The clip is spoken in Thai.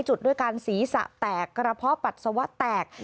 จุดด้วยการศีรษะแตกกระเพาะปัสสาวะแตก